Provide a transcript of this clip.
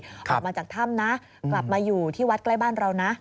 ออกมาจากถ้ำนะกลับมาอยู่ที่วัดใกล้บ้านเรานะ